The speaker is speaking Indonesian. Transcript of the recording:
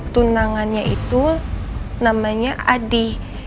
tunangannya itu namanya adi